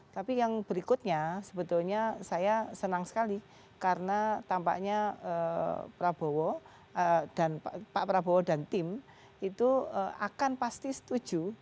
tapi yang berikutnya sebetulnya saya senang sekali karena tampaknya prabowo pak prabowo dan tim itu akan pasti setuju